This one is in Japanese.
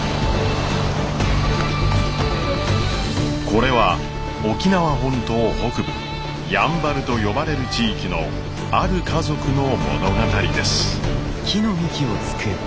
これは沖縄本島北部「やんばる」と呼ばれる地域のある家族の物語です。